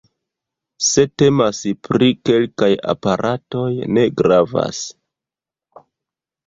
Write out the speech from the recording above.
Se temas pri kelkaj aparatoj, ne gravas.